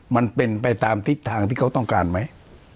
มันเป็นไปตามทิศทางที่เขาต้องการไหม